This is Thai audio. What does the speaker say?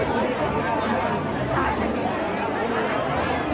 สวัสดีครับ